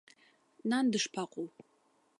Нан дышԥаҟоу?